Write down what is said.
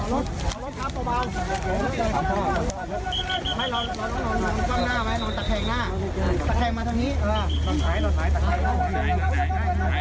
กระเป๋าอ้าวถ่ายภาพถ่ายภาพดึงกระเป๋าไปอย่าไปกลับแล้วดูกล้องดี